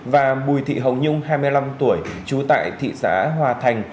và bùi thị hồng nhung hai mươi năm tuổi trú tại thị xã hòa thành